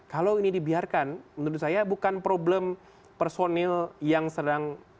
kalau ini dibiarkan menurut saya bukan problem personil yang sedang berada di dalam